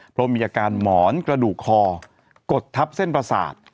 เพราะมีอาการหมอนกระดูกคอกดทับเส้นประสาท